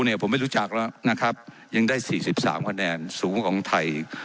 เนี่ยผมไม่รู้จักแล้วนะครับยังได้๔๓คะแนนสูงของไทย